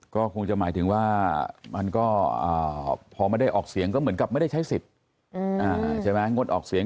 ก็คงจะหมายถึงว่ามันก็พอมาได้ออกเสียงก็เหมือนกับไม่ได้ใช้สิทธิ์